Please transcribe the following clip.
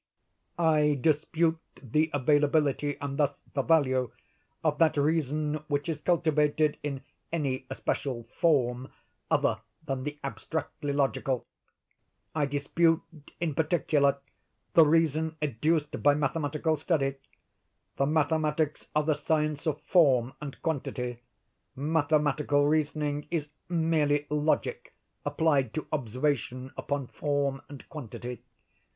"I dispute the availability, and thus the value, of that reason which is cultivated in any especial form other than the abstractly logical. I dispute, in particular, the reason educed by mathematical study. The mathematics are the science of form and quantity; mathematical reasoning is merely logic applied to observation upon form and quantity.